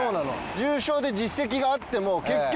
重賞で実績があっても結局。